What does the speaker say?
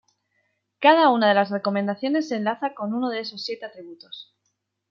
Cada una de las recomendaciones se enlaza con uno de esos siete atributos.